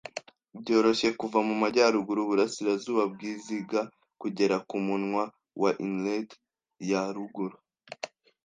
byoroshye kuva mumajyaruguru-uburasirazuba bwizinga kugera kumunwa wa Inlet ya ruguru.